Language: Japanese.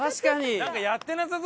なんかやってなさそう。